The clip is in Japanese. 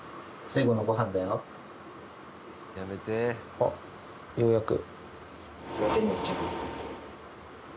あっようやく。